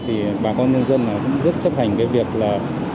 thì bà con nhân dân cũng rất chấp hành cái việc là